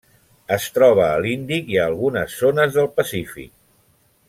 Es troba a l'Índic i a algunes zones del Pacífic.